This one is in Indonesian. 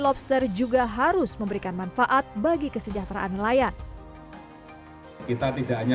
lobster juga harus memberikan manfaat bagi kesejahteraan nelayan kita tidak hanya